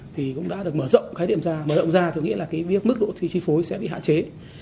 thì cũng đã được mở rộng khái niệm ra mở rộng ra thì nghĩa là cái mức độ chi phối sẽ bị hạn chế